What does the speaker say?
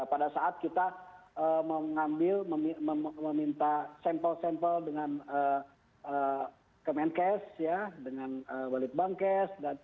pada saat kita mengambil meminta sampel sampel dengan kemenkes ya dengan wallet bankes